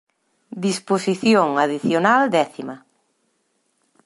Disposición adicional décima.